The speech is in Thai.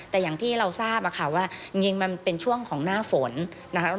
แต่อย่างที่เราทราบอะค่ะว่าจริงมันเป็นช่วงของหน้าฝนนะคะ